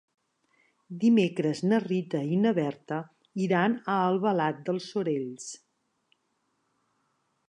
Dimecres na Rita i na Berta iran a Albalat dels Sorells.